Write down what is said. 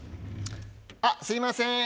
あっすいません